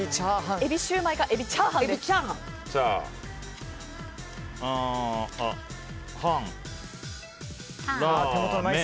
エビシューマイかエビチャーハンです。